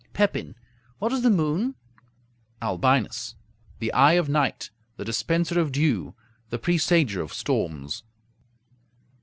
Pepin What is the moon? Albinus The eye of night; the dispenser of dew; the presager of storms.